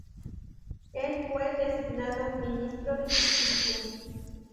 El fue designado ministro de Justicia.